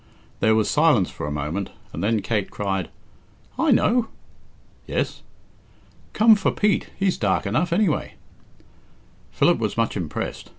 There was silence for a moment, and then Kate cried "I know." "Yes?" "Come for Pete he's dark enough, anyway." Philip was much impressed.